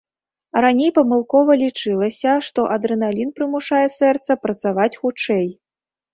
Раней памылкова лічылася, што адрэналін прымушае сэрца працаваць хутчэй.